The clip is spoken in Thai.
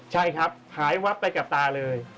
ใช่ครับหายวับไปกับตาเลย